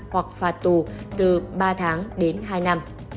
hoặc phạt tù từ ba tháng đến hai năm